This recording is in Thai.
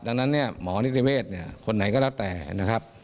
ดังนั้นเนี่ยหมอนิติเวศเนี่ยคนไหนก็แล้วแต่นะครับ